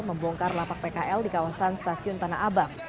membongkar lapak pkl di kawasan stasiun tanah abang